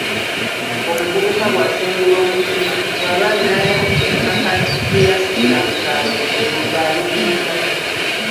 Omuvubuka bw'atengulwa omutima, bw’aba alinayo ettaka lye yasikira mu kyalo olwo nga alitunda.